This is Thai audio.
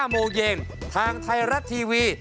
โมงเย็นทางไทยรัฐทีวี